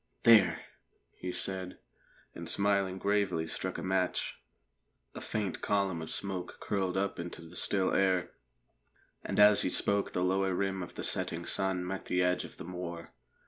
"There!" he said, and smiling gravely struck a match. A faint column of smoke curled up into the still air, and as he spoke the lower rim of the setting sun met the edge of the moor.